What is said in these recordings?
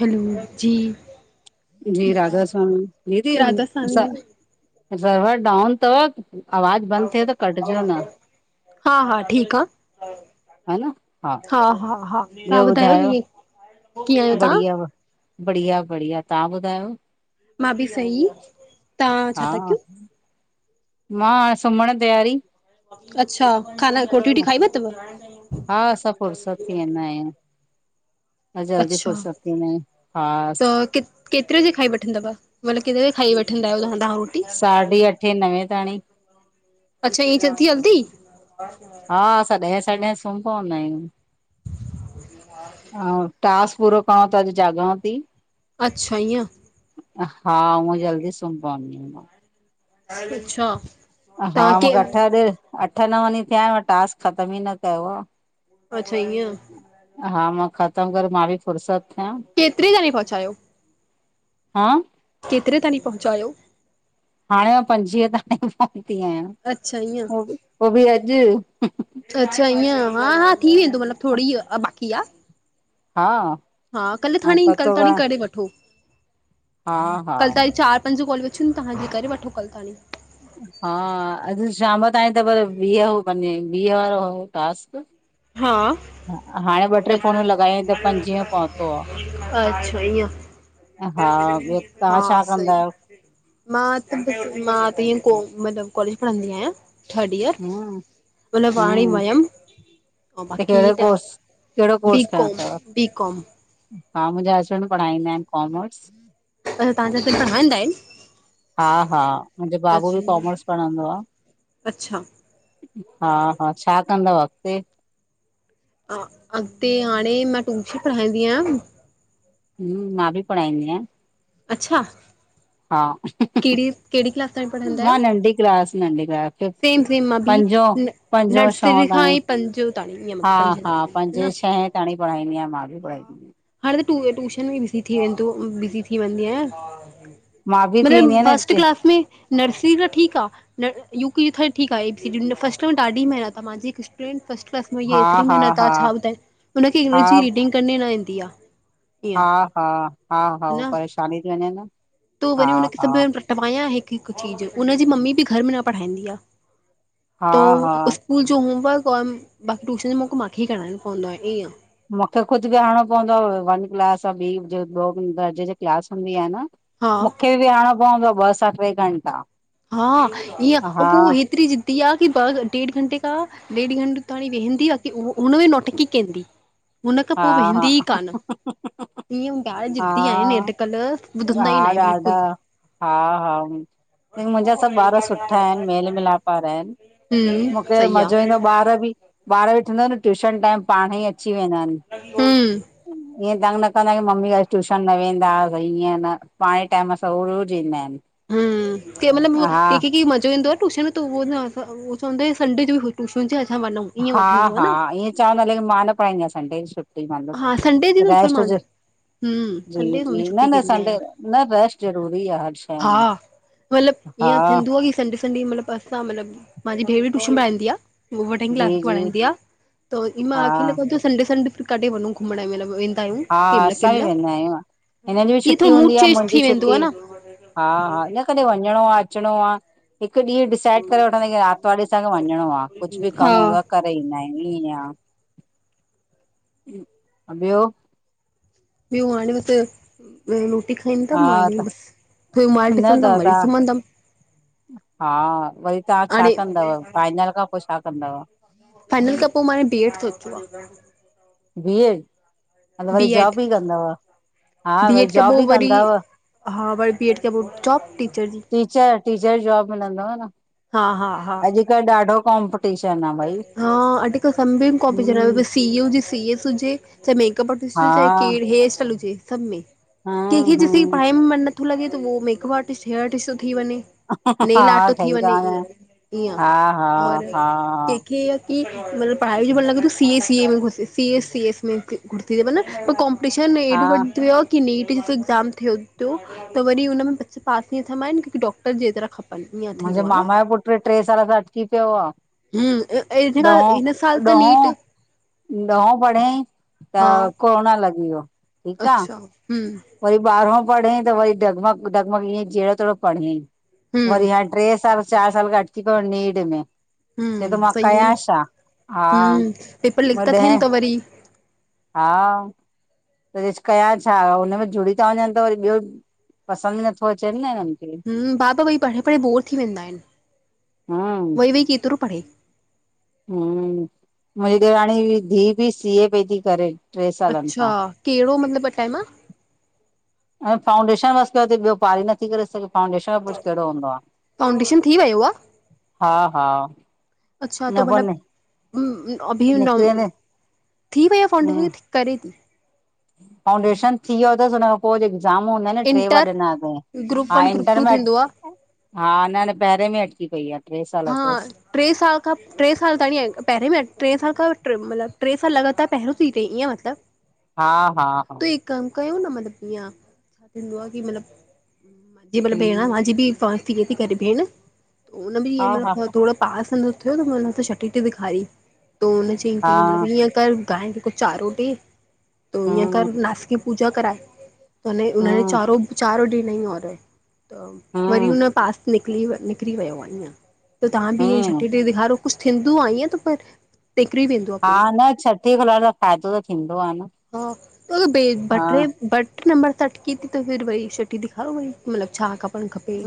हलो जी। जी राध स्वामी दीदी राधा स्वामी सर्वर डाउन तव। आवाज बंद थिव त कटजो न। हा-हा, ठीकु आ। हा न हा, हा, हा। तां ॿुधायो कीअं- कीअं आयो तां? बढ़िया बढ़िया- बढ़िया, तां ॿुधायो? मां बि सही, तहां हा छा था कयो? मां सुम्हणु यी तैयारी। अच्छा! खाना रोटी- वोटी खाई वर्तव? हा, असां फ़ुरसत थी वेंदा आहयूं, असां जल्दी अच्छा फ़ुरसत थी वेंदा आहयूं। त के केतिरे बजे खाई वठंदा मतिलबु केतरे जे खाई वठंदा आयो त्हां तहां रोटी? हे नवे ताणी। अच्छा इअ जल्दी [unintelligible] हा, असां ॾहें साॾे ॾहें सुम पवंदा आहियूं। हा। ऐं टास्क पूरो करणो हो त अॼ जाॻांओ ती। अच्छा, इअं! हा, उंअ जल्दी सुम्ही पवंदी आं मां। अच्छा! हा, तव्हां के मूंखे अठ ॾे, अठ नवं ॾींह वञी थिया आहिन मां टास्क ख़तम ई न कयो आ। अच्छा, ईअं! हा, मां ख़तम करे मां बि फुरसत केतिरी ॼणे पहुचायो? हा! केतिरे ताईं पहुचा आयो? हाणे मां पंजुवीह ताईं पहुती आहियां। अच्छा, इअं। उओ बि अॼु। अच्छा ईअं! हा- हा थी वेंदो मतलब थोङी बाकी आ। हा हा कल ताणी कल पतो ताणी कान करे वठो, हा हा कल ताई चार पंज कालू बचूं आहेन, तंहां करे वठो कल ताणी। हा, अॼु शाम ताईं त पर बिह होे बीह वारो हो टास्क। हा हाणे ॿ टे फोनयूं लॻायूं त पंजवीह पहुतो आ। अच्छा ईअं! हा ॿयो तवहां हा छा सही कंदा आयो? मां त, मां त ईअ मतलब कॉलेज पढ़ंदी आयां। थर्ड इयर, हम्म मतलब हांणी हम्म वयम। ह बाक़ी कहिड़ो त कोर्स कहिड़ो बि कोर्स कयो अथव कॉम-बि कॉम। हा मुंजा हसबैंड बिपढ़ाईंदा आहिन कॉमर्स। अच्छा तहांजे हिते रहंदा आहिन। हा- हा, मुंहिंजो बाबू बि ईअं कॉमर्स पढ़ंदो आ। अच्छा! हा- हा, छा कंदव अगते? अगते हाणे मां टूशन पढ़ाईंदी आह्यां। हम मां बि पढ़ाईंदी आहियां। अच्छा! हा कहिड़ी कहिड़ी क्लास ताई पढ़ाईंदा मां आहियो? नंढी क्लास नंढी सेम [unintelligible] सेम मां बि पंजों, पंजों छहों नर्सरी खां ताईं, ई पंजो ताणी ईअं हा मतिलबु पंजे हा ताणी न पंजे छहें राणी प़ढ़ाईदी आं, मां बि पढ़ाईंदी आं। हाणे त टियू टूशन में बिज़ी थी वेंदो बिज़ी थी वेंदी आं। मां बि थी मतिलबु वेंदी आहियां फस्ट न क्लास में नर्सरी त ठीक आ, न यू के जी त ठीक आ, फस्ट में ॾाढी मेहनत आ, मांजी टू फर्स्ट क्लास में हा एतरी हा मेहनत आ, हा छा ॿुधायए, हुनखे हा अंग्रेजी जी रीडिंग करण न ईंदी आ। हा हा, हा हा परेशानी थी वञे न। त हा वरी उनखे हा सभु रटिवायां हिकु हिकु चीज़, हुन जी मम्मी बी घर में न पढ़ाईंदी आ। हा हा तो स्कूल जो होमवर्क और बाकी टूशन जो मांखे ही करायणो पवंदो आहे, ईअं। मुखे ख़ुदि बि विहाणिणो पवंदो आ वन क्लास बी दर्जे जे क्लास हूंदी आ न हा मुखे विहारणो पवंदो आ ॿ सा टे घंटा। हा हा हा ईअं पोइ हेतिरी जी दीया के पास ॾेढु घंटे खां ॾेढु घंटे ताणि वेहंदी आ की हुन में नौटंकी कंदी। हुन खां हा पो वेंहंदी ही हा कान। ईअं [unintelligible] हा जिदी आहिनि अजकल ॿुधंदा ई नाहिन ॾाढा बिलकुल हा हा मुंजा सभु ॿार सुठा आहिनि मेल मिलाप वारा आहिनि हम्म मुखे सही मज़ो आहे ईंदो ॿार बी, ॿार बी ॾिसंदा आहिन ट्यूशन टाइम, पाण ई अची वेंदा आहिनि। [unintelligible] इयें तंग न कंदा आयूं मम्मी ट्यूशन न वेंदासि, भई ईअं न पाणही टाइम सां रोज़ ईंदा आहिनि। हम्म, केमल मूं हा कैंखे कैंखे मज़ो ईंदो आहे टूशन ते उहो चवंदो संडे जो बि टूशन जो असां वनऊं, ईअं हा वठंदो आ, हा न। [unintelligible] मां न पढ़ाईंदी आहियां सन्डे ॾीहुं शुटी [unintelligible] हा संडे जी त फिर मां हम्म संडे जो मम्मी न छुटी न कंदी सडे आहियां न रेस्ट ज़रूरी आ। हा, मतिलब ईअं थींदो ई संडे। तॾी मतिलब, असां मलब मुंहिंजी भेेण भी टूशन पढ़ाईंदी आ। हूअ वॾनि जी क्लास खे जी पढाईंदी आ, त ओॾी मांखे हा लॻंदो संडे संडे काॾे वञू घुमण मतिलब। हा असां बि वेंदा आहियूं, हिनजी बि इहो छुटी थोरो मूड हूंदी आ चेंज मुंहिंजी थी वेंदो छुटी आहे न हा हा, इन कॾे वञणो आह अचिणो आ हिकु ॾींहुं डिसाईड करे वठंदा आहियूं आतवार ॾीहुं असांखे वञिणो आ, कुछु बि हा कमु हूंदो आ करे ईंदा आहियूं, ईअं आ, ॿियो ॿियो वणियो त। रोटी हा खाईंदमि मालु त ईंदो, बसि पो माल न त ॾिसंदमि वरी तव्हां सुम्हंदमि। हा, वरी तां छा हाणे कंदव, फाइनल खां पोइ छा कंदव? फाइनल खां पोइे मां डी एड सोचियो आ। बी एड हल वरी बी एड जॉब ई कंदव। हा बी वरी एड खां जॉब पोइ ई वरी, कंदव हा वरी बी एड खां पोइ, जॉब टीचर जी। टीचर, टीचर जॉब मिलंदव न? हा हा हा। तं ॾाढो कॉप हा, हूं अॼकल [unintelligible] सीओ जी सीएस हुजे त मेकअप आर्टिस्ट हा हुजे चहे हेयर स्टाइल हुजे सभ में, हूं कंहिंखे जीते हूं पढाई में मन तू लगे तो वो मेअकप आर्टिस्ट, हेयर टिस थी वने! हा नेल आर्ट तो थी ठही वनें था वञनि ईअ, इय हा हा और हा मूखे इय की अगर पाणी में मन लगो त सी ऐ, सीह ए बिल्कुल सी एस सी एस मूखे वाग़ूर मतलब काॅम् पटीशन हा हेॾो वॾो थी व्यो आ कि नीट जी त एग्ज़ाम थ्यो तो, त वरी उन में बच्चे पास ईअ थ़मा ऐन की डॉक्टर जेतऱा खपन। मुहिंजे मामा यो पुट्र ट्रे साल खां अटकी पयो आ। हम्म हिन खां हिन साल त ॾहो-ॾहो नीट ॾहों पढ़यई त हा कोरोना लगी वयो। अच्छा हूम् वरी बारहों पढ़यई त वरी डगमग- डगमग ईअं जेड़ो-तेड़ो पढ़यई! हम्म वरी हाण ट्रे साल, चार साल खां अटकी प्यो आ नीड़ में। चए तो हम्म मा सही आ कयां न छा, हा हम्म पेपर लीक म् था थियनि डहें त वरी हां तॾिज़ कयां छा! हुनमें जुड़ी ता वञन त वरी ब्यो पसंद भी नथो अचेन न हिनन खे। हूंम! बार-बार वई पढ़े-पढ़े बोर थी वेंदा आहेन, हम्म वई-वई केतरो पढ़े। हुम! मुई ॾेराणी धीं बि सी ए पई ती करे। टे सालनि अच्छा, खां केड़ो मतलब ॿ टाइम! ऐं फ़ाउंडेशन बस कयो तई, ब्यो पार ही नथ़ी करे सघे फ़ाउंडेश त कुछ थ़ेड़ो हूंदो आ! फाउंडेशन थी वियो आहे हा-हा अच्छा तो मतलब अभी ऩ, निकिरे न थी वया फ़ाउन्डेशन कि थि! करेती। फ़ाउंडेशन थियो तस हुंन यो, पो जेके एग्ज़ाम हूंदा आए न, ट्रे बार इंटर ॾिनां तई ग्रुप वन हाणे ग्रुप टू इंटरमेट थींदो आहे हा! न-न पेहरें में अटकी पई आ ट्रे साल थ्यस। ट्रे साल खां ट्रे साल ताणि एन पहेरें में अट, ट्रे साल खां मतलब ट्रे साल लगातार पहेरयों थी तई ईअं मतलब। [unintelligible] हा-हां-हां कम कयूं न मतलब ईअं थींदो आ की मतलब ज़ेमल भेण हम्म आवाज़ बि पह तिऐं ती करे भेण। उन्न में इय हा हा मतलब थोड़ो पास हूंदो थ्यो न बोलना तो छठी ते भी खाई तो उन जे चई हा कि हिअ कर गाय के कुछ चारो ॾे, तो हिअ हम्म कर नास कि प पूजा कराए त उंनै उनयो हम्म चारो, चारो ॾी नई और त वरी हम्म उनयो पास निकली वन, निकरी वयो आ ईअं! त तहां बि ईअ हम्म छठी ॾई ॾेख़ारो कुछ थींदू आह ईअं त पर तिकरी वेंदो आ। हा! न छठी ख़ुलायण ला फ़ायदो त थींदो आ न। हा त होत बे ब ट्रे हा बट नंबर त अटकी ती त पई भई फिर छठी दिखा वई मतलब छा खप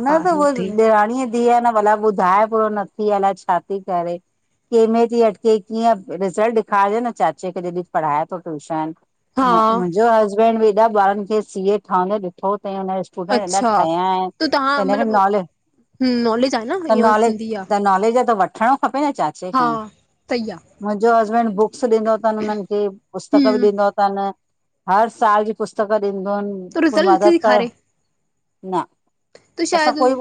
न त उअ ॾेराणीअ ई धीअ आ न मतलब बुधाए पुरो नथी अलाए छाती करे। के में ती अटके कीअं रिज़ल्ट दिख़ार जे न चाचे खे जॾहिं पढ़ाए थो ट्यूशन! मु हा मुन्ज़ो हसबैंड बि हेॾा बारन खे सी ए ठहंदे ॾिठो थई हून स्क बुधाए ऐॾा अच्छा ठयां आऐं। त तव्हां हिनखे मतिलबु नॉले नॉलेज आहे न त ईअं नॉलेज थींदी आहे त नॉलेज़ आ त वठ! वठणो ख़पे न चाचे हा खां। सही आहे मुन्ज़ो हसबैंड बुक्स ॾींदो तन उनन खे पुस्तक बि हम्म ॾींदो तन हर साल जी पुस्तक ॾींदून त कोई रिज़ल्ट नथी मदद कर ॾेखारे न्! त असां शायदि कोई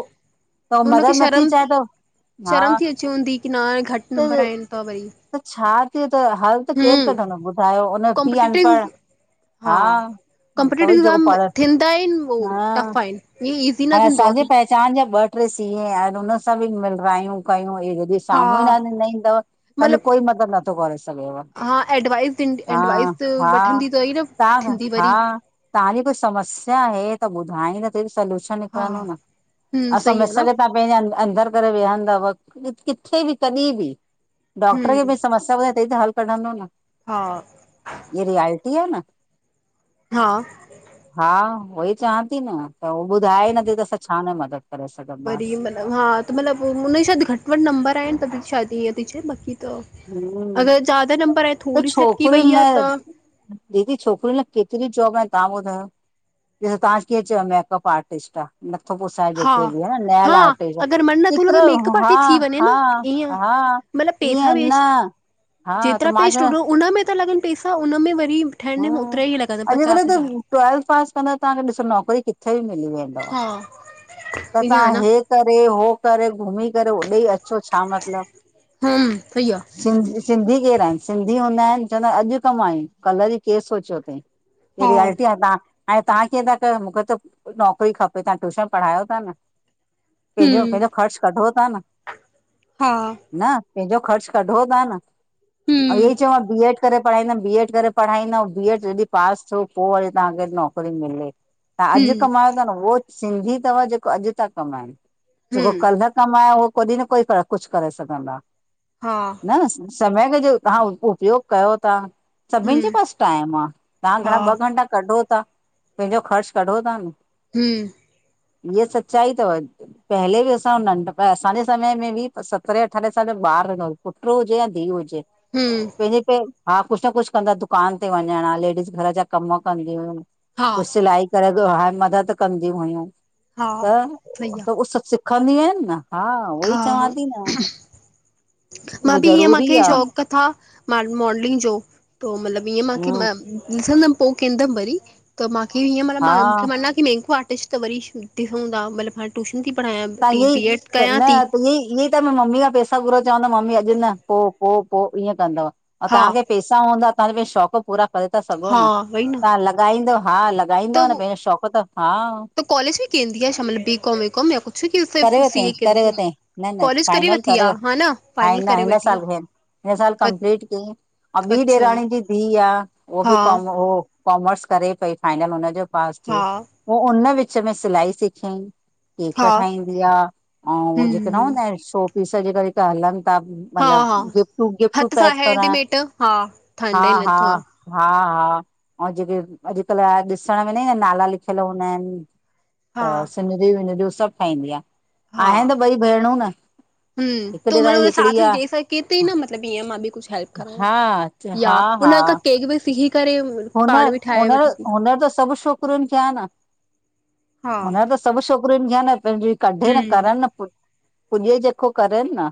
हुनखे मदद नथी शर्म चाहे त हा शर्म थी अचे हूंदी की न हाणे घटि नंबर आहिनि त वरी। त छा थियो त हल त केर हम्म कढंदो ॿुधायो हुन ओ पीह अनपढ़ हा। त कम्पीटीटिव वई जेको एक्ज़ाम पढ़ थींदा आहिनि उ हा टफ आहिनि ईअं ईज़ी न थींदो आहे की असांजा ॿ ट्रे सीए आहिनि हुनंसा बि मिलारयूं कयूं हे जॾहिं हा साम्हूं ई न न ईंदव। तव्हांजी मतिलबु कोई मदद नथो करे सघेव। हा एडवाइस हा एडवाइस हा वठंदी त ई न तां थींदी वरी हा। तव्हांखे कुझ समस्या आहे त ॿुधाई त ई सोल्युशन हा [unintelligible] हम्म असां सही आहे न पंहिंजा अंदर करे वेहंदव किथे बि कॾहिं बि। डॉक्टर खे हम्म बि समस्या बुधाए तडिही त हल कढदो न। हा। इ रियालटी आ न। हा। हा उहो ई चवां थी न त उहो ॿुधाए ई नथी त असां छा मे मदद करे वरी सघंदासीं। मतिलबु हा त मतिलबु हुन शायदि घटि वधि नंबर आहिनि त शायदि ईअं थी चए बाक़ी त हम्म अगरि ज्यादा नंबर आहे त थोरी सी अटकी छोकिरियुनि वई आहे लाइ त दीदी छोकिरियूं न लाइ केतिरी जॉब आहिनि। तव्हां ॿुधायो ॾिसो तव्हां कीअं चयो मेकअप आर्टिस्ट आ। नथो पुसाए हा जेके बि है न नयल हा आर्टिस्ट। अगरि मन नथो लॻे चित्र मेकअप हा आर्टिस्ट थी वञे हा न ईअं हा। मतिलबु पैसा ईअं न वेस्ट हा जेतिरा त मां पेस्ट चवां उनमें ता लॻनि पैसा उन में वरी हा ठहण में ओतिरा ई लॻनि अॼुकल पचास त हज़ार ट्वेल्थ पास कंदव तव्हांखे ॾिसो नौकरी किथे बि मिली वेंदव। हा। त ईअं तव्हां आहे न हे करे हो करे घुमी करे होॾेई अचो। छो छा मतलब? हम सही आहे सिं सिंधी केरु आहिनि? सिंधी हूंदा आहिनि चवंदा आहिनि अॼु कमायु कल जी केरु सोचियो अथई। हे हा रियालिटी आ तव्हां हाणे तव्हां कीअं था कयो मुंखे त नौकिरी खपे तव्हां ट्यूशन पढ़ायो। हम पंहिंजो पंहिंजो ख़र्च कढो ता न। हा। न पंहिंजो ख़र्च कढो ता न ऐं इहे हम ई चवां बीएड करे पढ़ाईंदम बी एड करे पढ़ाईंदम बी एड जॾहिं पास थियो पोइ वरी तव्हांखे नौकरी मिले। तव्हां अॼु हम कमायो था न उहो सिंधी अथव जेको अॼु था कमाइनि जेको हम कल्ह कम आहे उहो कोॾहिं न कोई कुझु करे सघंदा। हा। न समय जो तव्हां उपयोग कयो ता। हम सभिनि जे पास टाइम आ तव्हां हा घणा ॿ घंटा कढो था पंहिंजो ख़र्च कढो था न। हम्म। इय सच्चाई तव। पहले बि असां नंढपिया असांजे समय में बि सतरें अठारहें साल जो ॿार पुट्र हुजे या धीउ हुजे। हम्म। [unintelligible] हा कुझु न कुझु कंदा दुकान ते वञण आ लेडीस घर जा कम कंदयू। हा कुझु सिलाई करे [unintelligible] मदद कंदी हुयूं। हा त, सही आ, त उह सभु सिखंदियूं आहिनि न? हा, उहो ई चवां हा थी न। मां उहो बि हीअं मांखे ज़रूरी आ शौंक़ु कथा मा मॉडलिंग जो त मतिलबु ईअं मांखे हूं मां ॾिसंदमि। पोइ कंदमि वरी, त मांखे हीअं म़तलब मां हा मुंखे म़ना। [unintelligible] आर्टिस्ट त वरी ॾिसूं था मतिलबु हाणे ट्यूशन थी पढ़ायां बी तव्हां बी एड कयां थी। ईअं, ईअं त मम्मी खां पैसा घुरो चवंद मम्मी अॼु न पोइ, पोइ, पोइ ईअं कंदव ऐं हा तव्हांखे। पैसा हूंदा तां फिर शौक़ु पूरा करे था सघो हा न वई न तव्हां लगा़ईंदव हालग त ॻाईंदव न भेण शौक़ त हा। त कॉलेज ॿि कंदी शा मतलब बी कॉम वी कॉम याक छो की सिर्फ़ तु करेव सी तंहिं ए कंदी करेव आ तंहिं न न कॉलेज करे फाइनल वठी करेव आ हा न हा फाइनल न करे हिन वेठी साल आ। थियन हिन साल अ कंप्लीट कयईं ऐं ॿि अच्छा ॾेराणी जी धीउ आ उहो हा बि काम ओ कॉमर्स करे पई, फाइनल हुनजो पास थियो, हा पोइ उन विच में सिलाई सिखियई। केक हा ठाहींदी आ ऐं जेके न हम्म हूंदा आहिनि शो पीस, जेका जेका हलनि था। हा मतलब हा गिफ्टूं, गिफ्टूं हथ सां पैक करण, हैंडमेड हा हा, ठंडा ई हा। नथा हा, हा। ऐं जेके अॼुकल्ह जा ॾिसण वेदां आहियूं न नाला लिखियल हूंदा आहिनि। हा त सिनरियूं -विनरियूं सभु ठाहींदी आं हा आहिनि त ॿई भेणूं न। हम। हिकु त म ॾेराणी हिकिड़ी उ आ जेई सघे त न मतलब ईअ मां बि कुछु हेलप कदम। हा या हा हा उनखां केक वेक सिंखीं करेे। हुनर हुनर त सभु छोकिरुनि खे आ न। हा हुनर त सभु छोकिरियुन आ न पंहिंजी कढे न हम करन नु पुॼे जेको करन न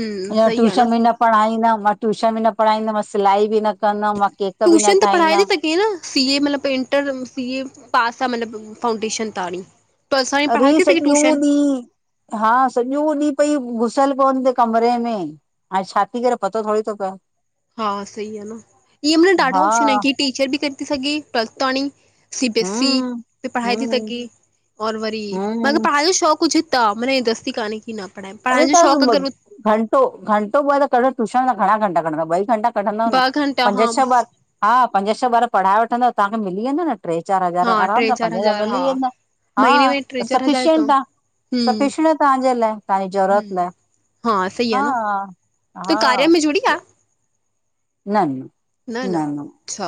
हम ईह सही आहे ट्यूशन बि न पढ़ाईंदमि, मां ट्यूशन बि न पढ़ाईंदमि सिलाई बि न कंदमि। मां केक बि न ट्यूशन त पढ़ाए थी ठाहींदमि सघ् सीए मतलब इंटर सीए पास आं मतलब फाउंडेशन ताईी। अरीे सॼो ॾीहुं। हा सॼो ॾींहुं पई घुसियल पोदेह कमरे में। हाणे छाती करे पतो थोरी थो पए। हा सही आ न, इअं मन ॾाढा हा ऑप्शन आहिनि। की टीचर बि करे थी सघे ट्वेल्थ ताणी। सी बीएसई हम्म बि पढ़ाए थी हम्म सघे और वरी। हम्म त मे दस्ती काने कि न। पढ़ाए अड़े पढ़ाइण जो तां शौक़ु अगरि घंटो घंटो ॿ त क टूशन त घणा घंटा कढंदा ॿई घंटा। वठंदव न ॿ घंटा पंज हा बस छह ॿार हा पंज छह ॿार पढ़ाए वठंदव तहांखे मिली वेंदो न। टे चार हा हज़ार आराम टे सां चारि पंज हज़ार हा मिली वेंदा हा। महीने में टे चारि हज़ार त सफ़िशियंट आ। हम्म सफ़िशियंट आ तव्हांजे लाइ तव्हांजी ज़रूरत हम्म लाइ सही आ हा, न तूं कार्या हा। में जुड़ी आं। न, न, न,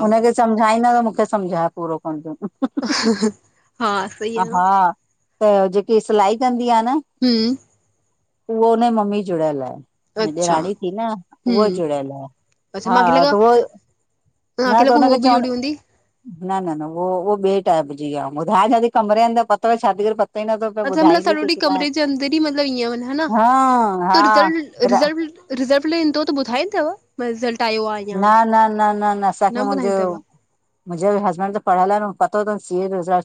हुनखे सम्झाईंदा त मूंखे सम्झाए पूरो कंदो। हा। सहीं आ न। हा त, जेकी सिलाई कंदी आ न। हम्म। उहो उनजीं मम्मी जुड़ियल आ, मुंहिंजी अच्छा ॾेराणी थी न उहो हम्म जुड़ियल आ। अच्छा हा। मांखे लॻो त उ, न मांखे त लॻो हुनखे हो बि चवनि। जुड़ी हूंदी न, न, न उहो उहो ॿिए टाइप जी आं, ॿुधाए छाती कमरे अंदर पतो छाती करे पतो। ई नथो पए त मतिलब सॼो ॿुधाईंदी ॾिहु कुझु न आहे। कमरे जे अंदर ई मतिलब ईंय। हा न त हा रिज़ल्ट, रिज़ल्ट। रिज़ल्ट ईंदो त ॿुधाईंदव। रिज़ल्ट आयो आ। न, न, न, न, न असांखे मुंजो। मुंहिंजे बि हसबैंड त पढ़ल न पतो त सीए जो रिजल्ट्।